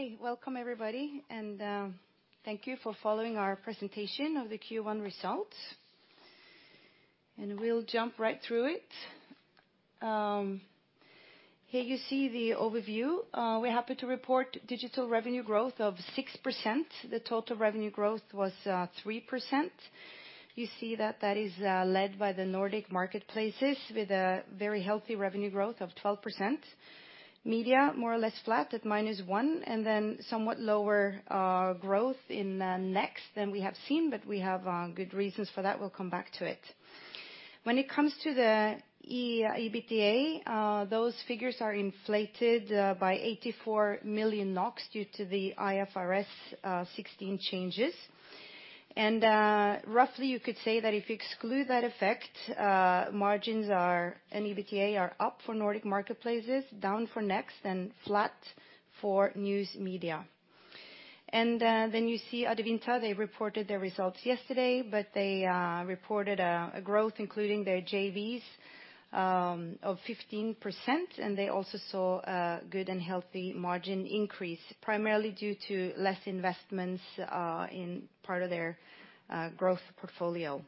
Okay, welcome everybody, thank you for following our presentation of the Q1 results. We'll jump right through it. Here you see the overview. We're happy to report digital revenue growth of 6%. The total revenue growth was 3%. You see that that is led by the Nordic Marketplaces with a very healthy revenue growth of 12%. Media, more or less flat at -1%, then somewhat lower growth in Next than we have seen, but we have good reasons for that. We'll come back to it. When it comes to the EBITDA, those figures are inflated by 84 million NOK due to the IFRS 16 changes. Roughly you could say that if you exclude that effect, margins are, and EBITDA are up for Nordic Marketplaces, down for Next, and flat for News Media. You see Adevinta, they reported their results yesterday, but they reported growth, including their JVs, of 15%, and they also saw a good and healthy margin increase, primarily due to less investments in part of their growth portfolio.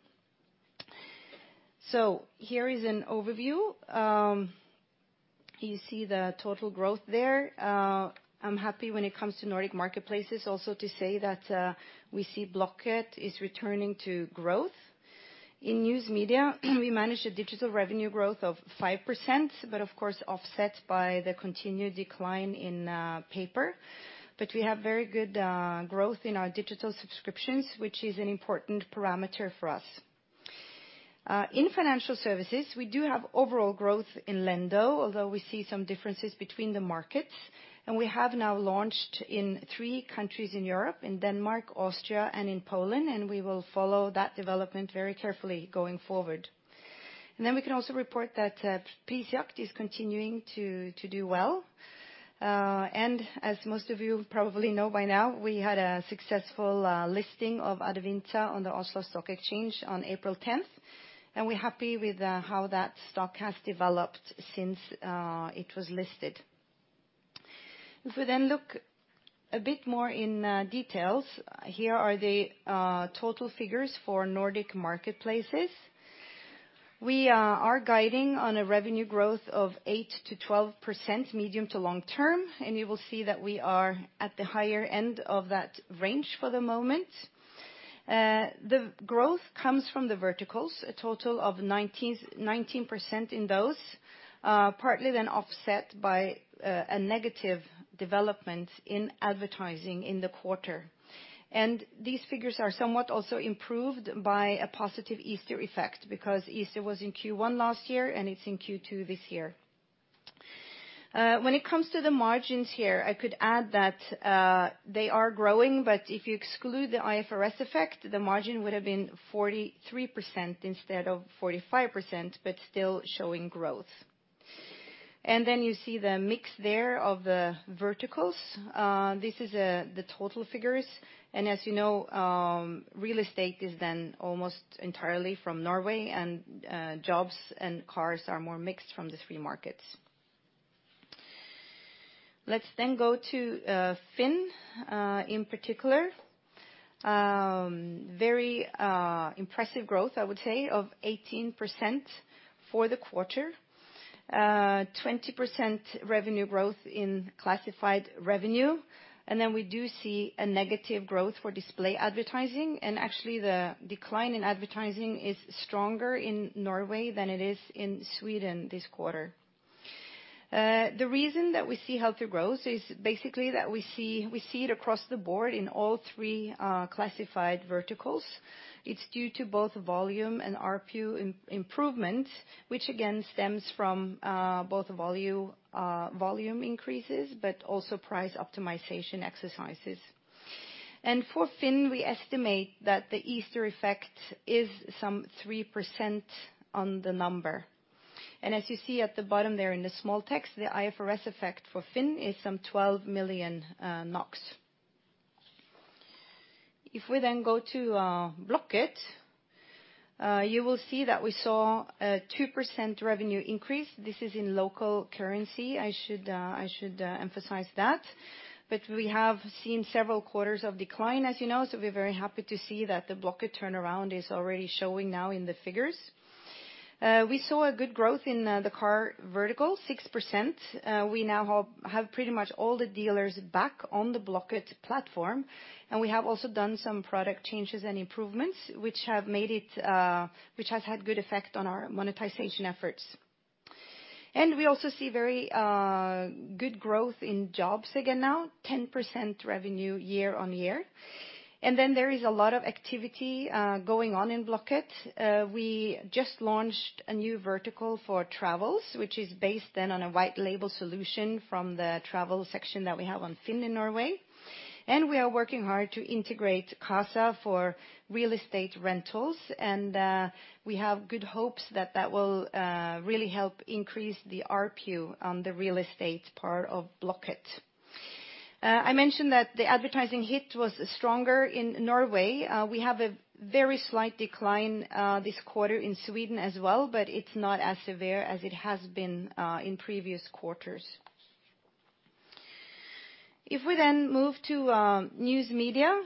Here is an overview. You see the total growth there. I'm happy when it comes to Nordic Marketplaces also to say that we see Blocket is returning to growth. In News Media, we managed a digital revenue growth of 5%, but of course, offset by the continued decline in paper. We have very good growth in our digital subscriptions, which is an important parameter for us. In Financial Services, we do have overall growth in Lendo, although we see some differences between the markets. We have now launched in three countries in Europe, in Denmark, Austria, and in Poland, and we will follow that development very carefully going forward. We can also report that Prisjakt is continuing to do well. As most of you probably know by now, we had a successful listing of Adevinta on the Oslo Stock Exchange on April 10th, and we're happy with how that stock has developed since it was listed. If we then look a bit more in details, here are the total figures for Nordic Marketplaces. We are guiding on a revenue growth of 8%-12% medium to long term, and you will see that we are at the higher end of that range for the moment. The growth comes from the verticals, a total of 19% in those, partly then offset by a negative development in advertising in the quarter. These figures are somewhat also improved by a positive Easter effect, because Easter was in Q1 last year, and it's in Q2 this year. When it comes to the margins here, I could add that they are growing, but if you exclude the IFRS effect, the margin would have been 43% instead of 45%, but still showing growth. You see the mix there of the verticals. This is the total figures. As you know, real estate is then almost entirely from Norway, jobs and cars are more mixed from the three markets. Let's go to Finn in particular. Very impressive growth, I would say, of 18% for the quarter. 20% revenue growth in classified revenue. We do see a negative growth for display advertising, actually the decline in advertising is stronger in Norway than it is in Sweden this quarter. The reason that we see healthy growth is basically that we see it across the board in all three classified verticals. It's due to both volume and ARPU improvement, which again stems from both volume increases, but also price optimization exercises. For Finn, we estimate that the Easter effect is some 3% on the number. As you see at the bottom there in the small text, the IFRS effect for Finn is some 12 million NOK. If we then go to Blocket, you will see that we saw a 2% revenue increase. This is in local currency, I should emphasize that. We have seen several quarters of decline, as you know, so we're very happy to see that the Blocket turnaround is already showing now in the figures. We saw a good growth in the car vertical, 6%. We now have pretty much all the dealers back on the Blocket platform, and we have also done some product changes and improvements, which have made it, which has had good effect on our monetization efforts. We also see very good growth in jobs again now, 10% revenue year on year. There is a lot of activity going on in Blocket. We just launched a new vertical for travels, which is based then on a white label solution from the travel section that we have on Finn in Norway. We are working hard to integrate Qasa for real estate rentals, and we have good hopes that that will really help increase the ARPU on the real estate part of Blocket. I mentioned that the advertising hit was stronger in Norway. We have a very slight decline this quarter in Sweden as well, but it's not as severe as it has been in previous quarters. We then move to News Media,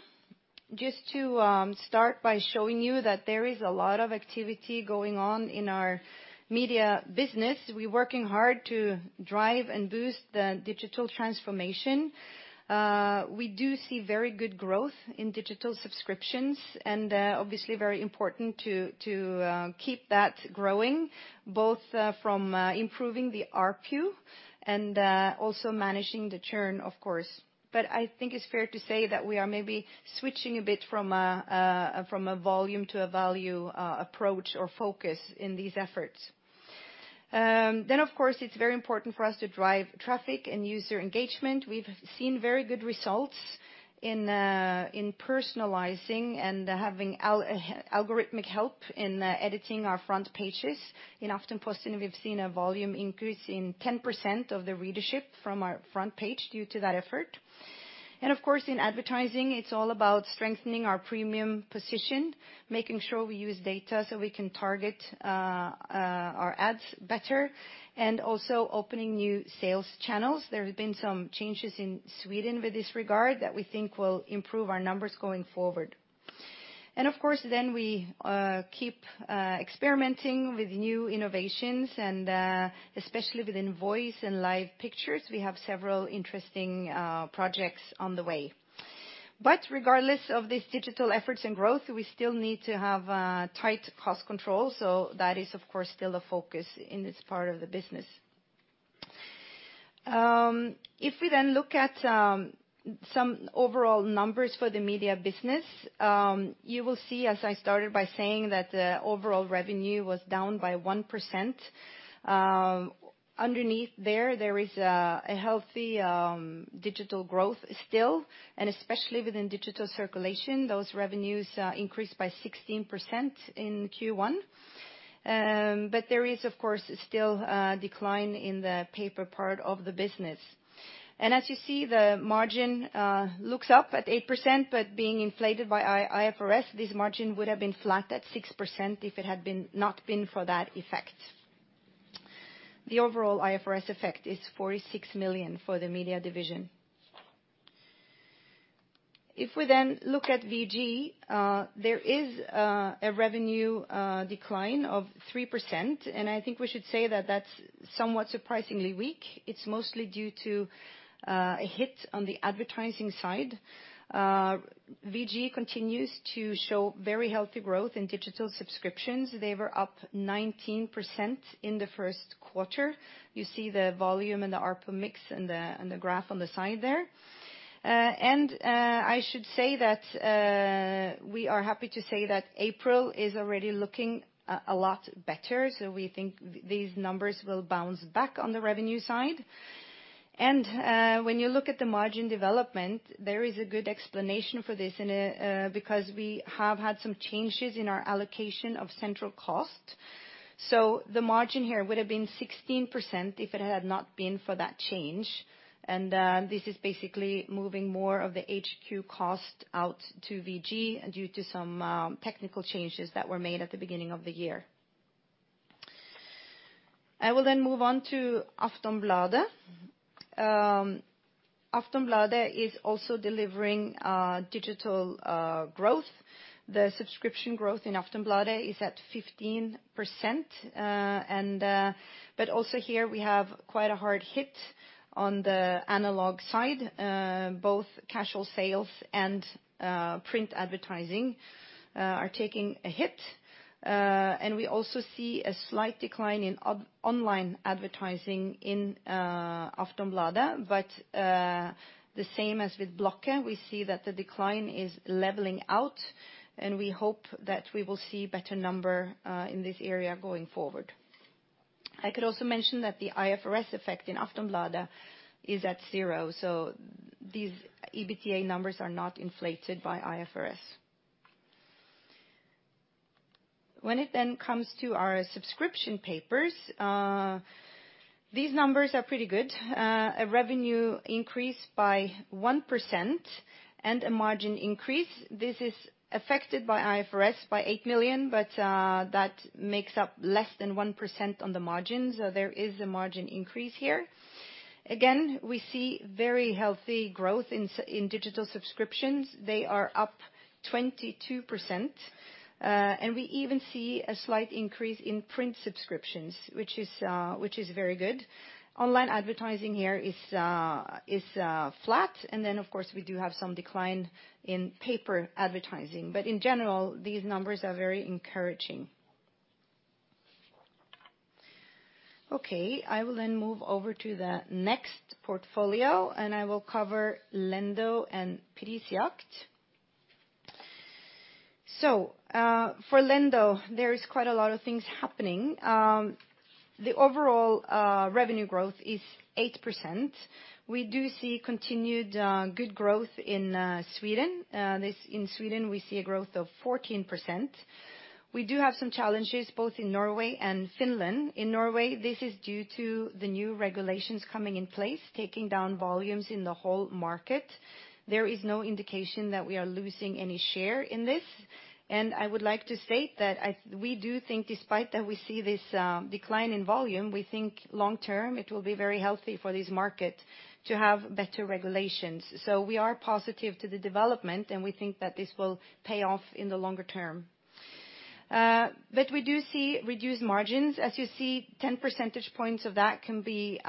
just to start by showing you that there is a lot of activity going on in our media business. We're working hard to drive and boost the digital transformation. We do see very good growth in digital subscriptions, and obviously very important to keep that growing, both from improving the ARPU and also managing the churn, of course. I think it's fair to say that we are maybe switching a bit from a volume to a value approach or focus in these efforts. Of course, it's very important for us to drive traffic and user engagement. We've seen very good results in personalizing and having algorithmic help in editing our front pages. In Aftenposten, we've seen a volume increase in 10% of the readership from our front page due to that effort. Of course, in advertising, it's all about strengthening our premium position, making sure we use data so we can target our ads better, and also opening new sales channels. There have been some changes in Sweden with this regard that we think will improve our numbers going forward. Of course, then we keep experimenting with new innovations, and especially within voice and live pictures, we have several interesting projects on the way. Regardless of these digital efforts and growth, we still need to have tight cost control, that is, of course, still a focus in this part of the business. If we then look at some overall numbers for the News Media business, you will see, as I started by saying, that the overall revenue was down by 1%. Underneath there is a healthy digital growth still, and especially within digital circulation, those revenues increased by 16% in Q1. There is, of course, still a decline in the paper part of the business. As you see, the margin looks up at 8%, but being inflated by IFRS, this margin would have been flat at 6% not been for that effect. The overall IFRS effect is 46 million for the media division. We then look at VG, there is a revenue decline of 3%. I think we should say that that's somewhat surprisingly weak. It's mostly due to a hit on the advertising side. VG continues to show very healthy growth in digital subscriptions. They were up 19% in the 1st quarter. You see the volume and the ARPU mix in the, in the graph on the side there. I should say that we are happy to say that April is already looking a lot better. We think these numbers will bounce back on the revenue side. When you look at the margin development, there is a good explanation for this, and because we have had some changes in our allocation of central cost. The margin here would have been 16% if it had not been for that change, and this is basically moving more of the HQ cost out to VG due to some technical changes that were made at the beginning of the year. I will then move on to Aftonbladet. Aftonbladet is also delivering digital growth. The subscription growth in Aftonbladet is at 15%. Also here we have quite a hard hit on the analog side. Both casual sales and print advertising are taking a hit. We also see a slight decline in online advertising in Aftonbladet. The same as with Blocket, we see that the decline is leveling out, and we hope that we will see better number in this area going forward. I could also mention that the IFRS effect in Aftonbladet is at zero, so these EBITDA numbers are not inflated by IFRS. When it then comes to our subscription papers, these numbers are pretty good. A revenue increase by 1% and a margin increase. This is affected by IFRS by 8 million, that makes up less than 1% on the margins. There is a margin increase here. Again, we see very healthy growth in digital subscriptions. They are up 22%. We even see a slight increase in print subscriptions, which is very good. Online advertising here is flat. Of course, we do have some decline in paper advertising. These numbers are very encouraging. I will move over to the next portfolio, and I will cover Lendo and Prisjakt. For Lendo, there is quite a lot of things happening. The overall revenue growth is 8%. We do see continued good growth in Sweden. This in Sweden, we see a growth of 14%. We do have some challenges both in Norway and Finland. In Norway, this is due to the new regulations coming in place, taking down volumes in the whole market. There is no indication that we are losing any share in this. I would like to state that we do think despite that we see this decline in volume, we think long term it will be very healthy for this market to have better regulations. We are positive to the development, and we think that this will pay off in the longer term. We do see reduced margins. As you see, 10% points of that can be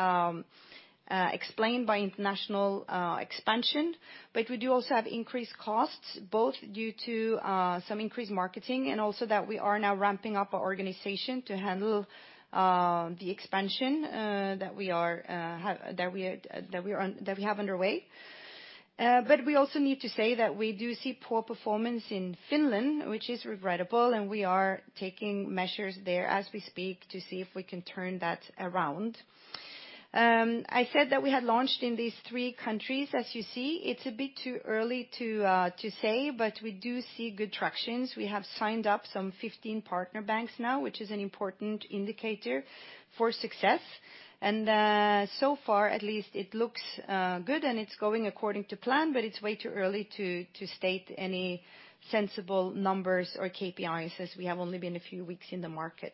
explained by international expansion. We do also have increased costs, both due to some increased marketing and also that we are now ramping up our organization to handle the expansion that we have underway. We also need to say that we do see poor performance in Finland, which is regrettable, and we are taking measures there as we speak to see if we can turn that around. I said that we had launched in these three countries. As you see, it's a bit too early to say, but we do see good tractions. We have signed up some 15 partner banks now, which is an important indicator for success. So far at least it looks good, and it's going according to plan, but it's way too early to state any sensible numbers or KPIs as we have only been a few weeks in the market.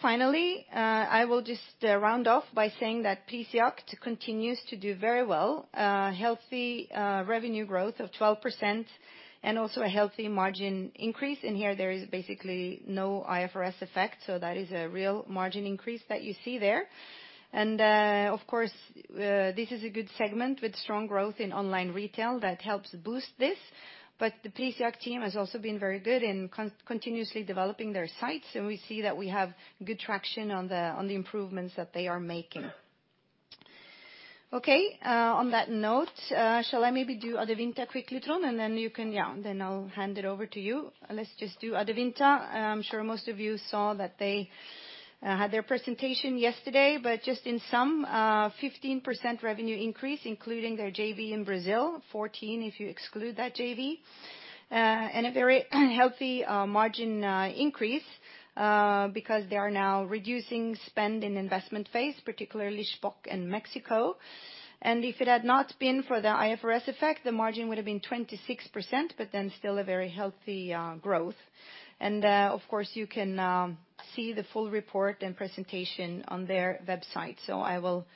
Finally, I will just round off by saying that Prisjakt continues to do very well, healthy revenue growth of 12% and also a healthy margin increase. In here there is basically no IFRS effect, so that is a real margin increase that you see there. Of course, this is a good segment with strong growth in online retail that helps boost this. The Prisjakt team has also been very good in continuously developing their sites, and we see that we have good traction on the improvements that they are making. On that note, shall I maybe do Adevinta quickly, Trond, and then you can, yeah, then I'll hand it over to you. Let's just do Adevinta. I'm sure most of you saw that they had their presentation yesterday. Just in sum, 15% revenue increase, including their JV in Brazil, 14% if you exclude that JV. A very healthy margin increase because they are now reducing spend in investment phase, particularly Shpock in Mexico. If it had not been for the IFRS effect, the margin would have been 26%, still a very healthy growth. Of course, you can see the full report and presentation on their website. I will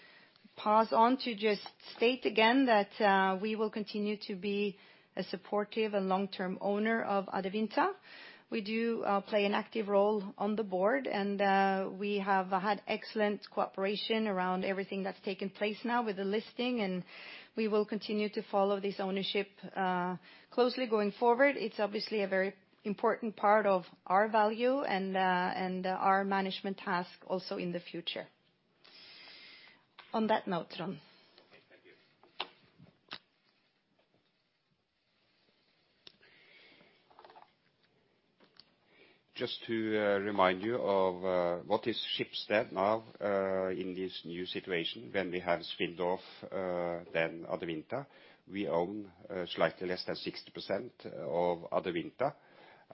pass on to just state again that we will continue to be a supportive and long-term owner of Adevinta. We do play an active role on the board and we have had excellent cooperation around everything that's taken place now with the listing, and we will continue to follow this ownership closely going forward. It's obviously a very important part of our value and our management task also in the future. On that note, Trond. Okay, thank you. Just to remind you of what is Schibsted now in this new situation when we have spinned off then Adevinta. We own slightly less than 60% of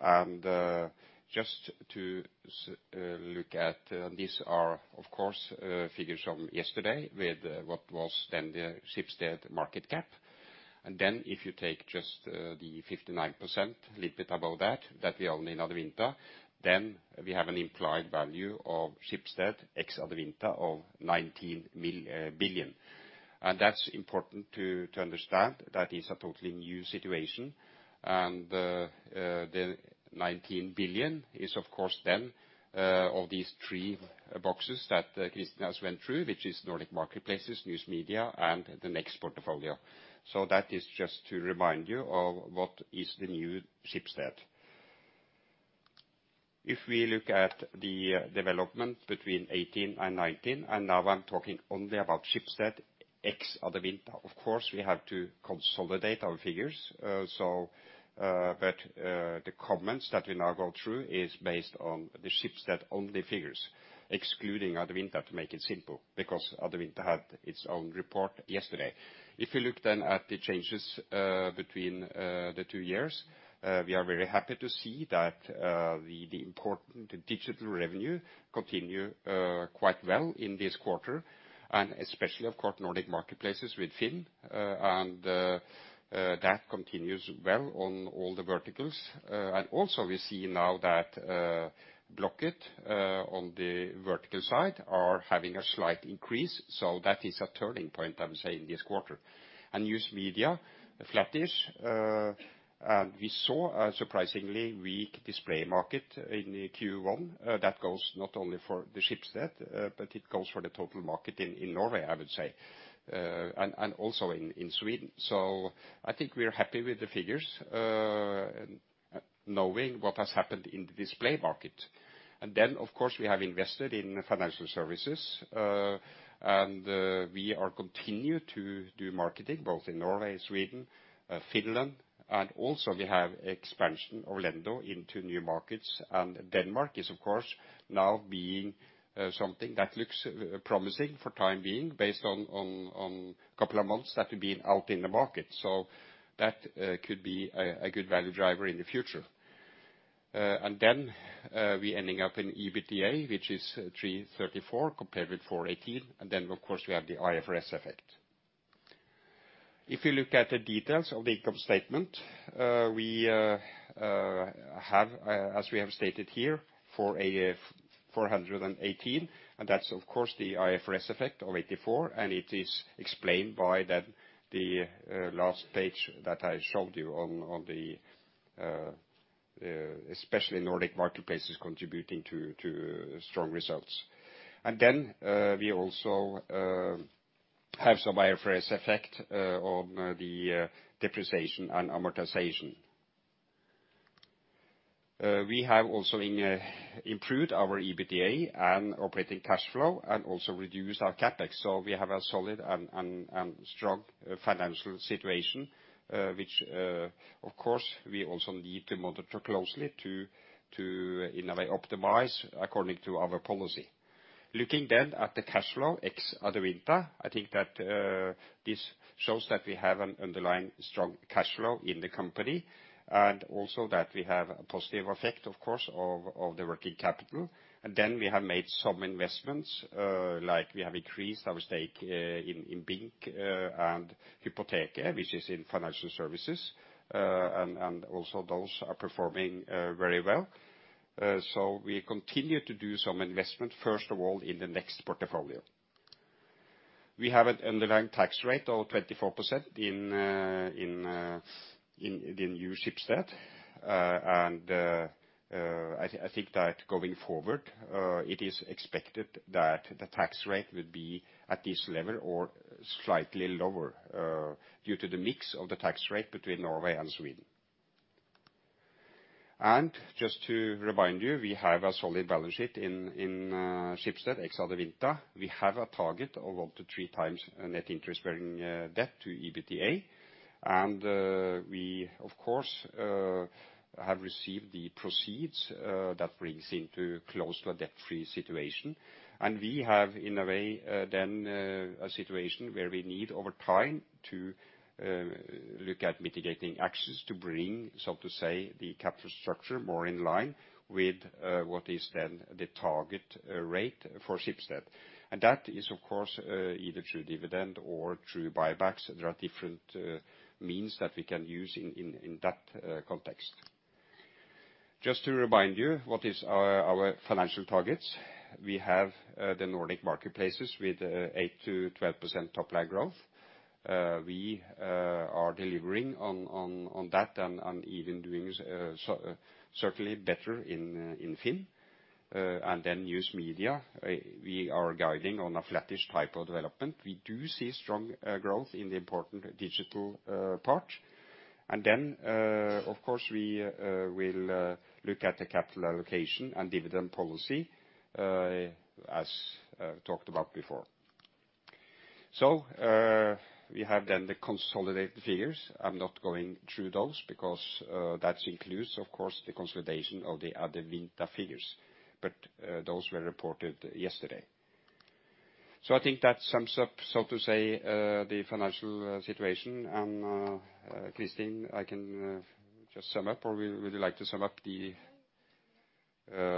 Adevinta. Just to look at, these are of course figures from yesterday with what was then the Schibsted market cap. If you take just the 59%, little bit above that we own in Adevinta, then we have an implied value of Schibsted ex Adevinta of 19 billion. That's important to understand that is a totally new situation. The 19 billion is of course then of these three boxes that Kristin has went through, which is Nordic Marketplaces, News Media, and the Next portfolio. That is just to remind you of what is the new Schibsted. If we look at the development between 2018 and 2019, now I'm talking only about Schibsted ex-Adevinta. Of course, we have to consolidate our figures, the comments that we now go through is based on the Schibsted-only figures, excluding Adevinta to make it simple because Adevinta had its own report yesterday. If you look then at the changes between the two years, we are very happy to see that the important digital revenue continue quite well in this quarter, especially of course Nordic Marketplaces with Finn, that continues well on all the verticals. Also we see now that Blocket on the vertical side are having a slight increase, that is a turning point, I would say in this quarter News Media flattish. We saw a surprisingly weak display market in Q1. That goes not only for the Schibsted, but it goes for the total market in Norway, I would say, and also in Sweden. I think we are happy with the figures, knowing what has happened in the display market. Of course, we have invested in Financial Services. We are continue to do marketing both in Norway, Sweden, Finland, and also we have expansion of Lendo into new markets. Denmark is of course now being something that looks promising for time being based on couple of months that we've been out in the market. That could be a good value driver in the future. We ending up in EBITDA, which is 334 NOK compared with 418 NOK, and then of course we have the IFRS effect. If you look at the details of the income statement, we have as we have stated here for AF 418 NOK, and that's of course the IFRS effect of 84 NOK, and it is explained by that the last page that I showed you on the especially Nordic Marketplaces contributing to strong results. We also have some IFRS effect on the depreciation and amortization. We have also in improved our EBITDA and operating cash flow and also reduced our CapEx. We have a solid and strong financial situation, which, of course, we also need to monitor closely to, in a way, optimize according to our policy. Looking then at the cash flow ex Adevinta, I think that this shows that we have an underlying strong cash flow in the company, and also that we have a positive effect, of course, of the working capital. We have made some investments, like we have increased our stake in Bynk and De Hypotheker, which is in Financial Services. And also those are performing very well. We continue to do some investment, first of all, in the next portfolio. We have an underlying tax rate of 24% in new Schibsted. I think that going forward, it is expected that the tax rate will be at this level or slightly lower, due to the mix of the tax rate between Norway and Sweden. Just to remind you, we have a solid balance sheet in Schibsted, ex-Adevinta. We have a target of up to three times net interest-bearing debt to EBITDA. We, of course, have received the proceeds that brings into close to a debt-free situation. We have, in a way, then, a situation where we need over time to look at mitigating access to bring, so to say, the capital structure more in line with what is then the target rate for Schibsted. That is, of course, either through dividend or through buybacks. There are different means that we can use in that context. Just to remind you what is our financial targets. We have the Nordic Marketplaces with 8%-12% top-line growth. We are delivering on that and even doing certainly better in Finn. News Media, we are guiding on a flattish type of development. We do see strong growth in the important digital part. Of course we will look at the capital allocation and dividend policy as talked about before. We have then the consolidated figures. I'm not going through those because that includes, of course, the consolidation of the Adevinta figures, those were reported yesterday. I think that sums up, so to say, the financial situation. Kristin, I can just sum up, or would you like to sum up the?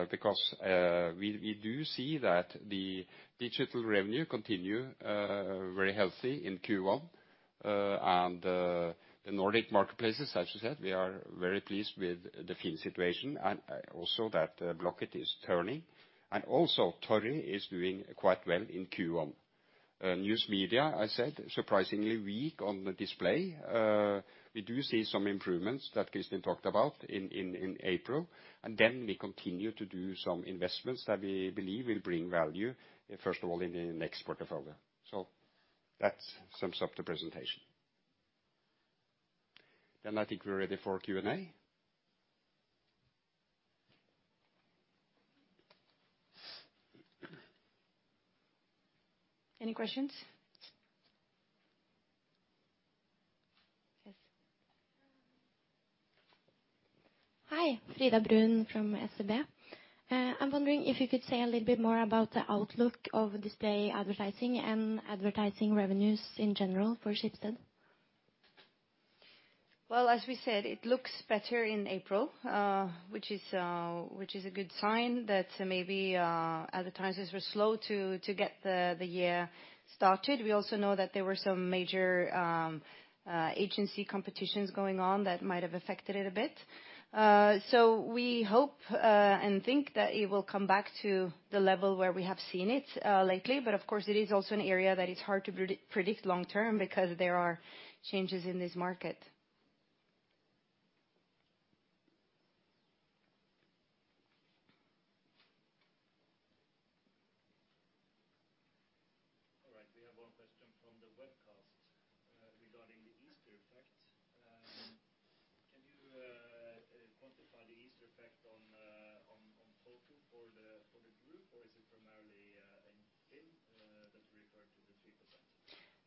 Because we do see that the digital revenue continue very healthy in Q1. The Nordic Marketplaces, as you said, we are very pleased with the Finn situation and also that Blocket is turning. Also Tori is doing quite well in Q1. News Media, I said, surprisingly weak on the display. We do see some improvements that Kristin talked about in April. We continue to do some investments that we believe will bring value, first of all in the next portfolio. That sums up the presentation. I think we're ready for Q&A. Any questions? Yes. Hi. Frida Borin from SEB. I'm wondering if you could say a little bit more about the outlook of display advertising and advertising revenues in general for Schibsted. As we said, it looks better in April, which is a good sign that maybe advertisers were slow to get the year started. We also know that there were some major agency competitions going on that might have affected it a bit. We hope and think that it will come back to the level where we have seen it lately. Of course, it is also an area that is hard to predict long term because there are changes in this market.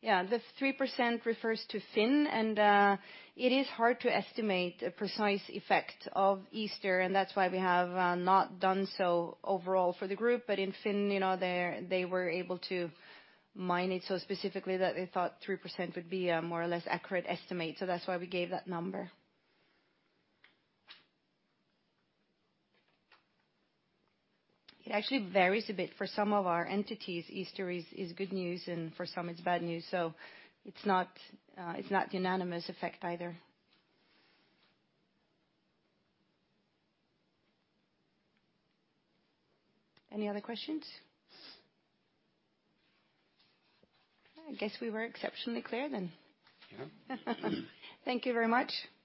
All right. We have one question from the webcast, regarding the Easter effect. Can you quantify the Easter effect on total for the group? Is it primarily in Finn, that refer to the 3%? Yeah. The 3% refers to Finn. It is hard to estimate a precise effect of Easter, and that's why we have not done so overall for the group. In Finn, you know, they were able to mine it so specifically that they thought 3% would be a more or less accurate estimate. That's why we gave that number. It actually varies a bit. For some of our entities, Easter is good news, and for some it's bad news. It's not unanimous effect either. Any other questions? I guess we were exceptionally clear then. Yeah. Thank you very much. Thank you.